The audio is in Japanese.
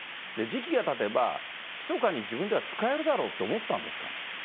時期がたてば、ひそかに自分では使えるだろうって思ったんですかね。